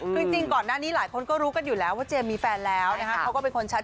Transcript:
คือจริงก่อนหน้านี้หลายคนก็รู้กันอยู่แล้วว่าเจมส์มีแฟนแล้วนะครับ